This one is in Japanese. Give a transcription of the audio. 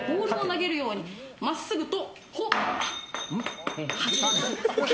真っすぐと。